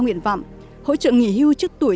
nguyện vọng hỗ trợ nghỉ hưu trước tuổi